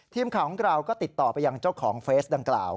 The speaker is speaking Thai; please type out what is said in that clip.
ทีมข่าวของเราก็ติดต่อไปยังเจ้าของเฟสดังกล่าว